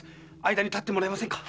間に立ってもらえませんか？